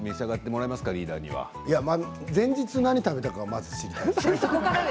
前日に何を食べたかまず知りたいですね。